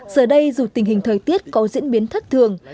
giờ đây dù tình hình thời tiết có diễn biến thất thường